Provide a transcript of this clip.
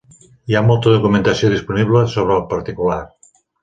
Hi ha molta documentació disponible sobre el particular.